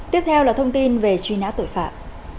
tiếp theo là thông tin về truy nã tội phạm